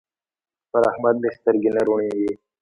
پر احمد مې سترګې نه روڼېږي.